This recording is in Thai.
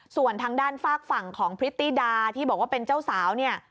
ส่วนทางด้านฝากฝั่งของพริตตี้ดาที่บอกว่าเป็นเจ้าสาวเนี่ย